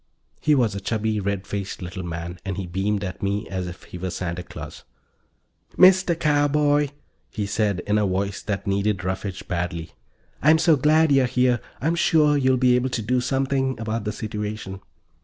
He was a chubby, red faced little man, and he beamed at me as if he were Santa Claus. "Mr. Carboy," he said in a voice that needed roughage badly. "I'm so glad you're here. I'm sure you'll be able to do something about the situation."